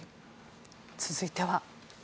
続いては。